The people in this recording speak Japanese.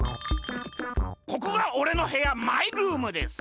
ここがおれのへやマイルームです。